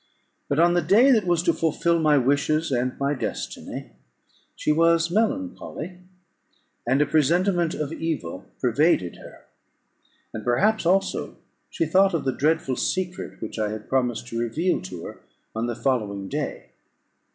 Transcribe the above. But on the day that was to fulfil my wishes and my destiny, she was melancholy, and a presentiment of evil pervaded her; and perhaps also she thought of the dreadful secret which I had promised to reveal to her on the following day.